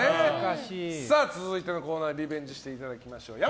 続いてのコーナーでリベンジしていただきましょう。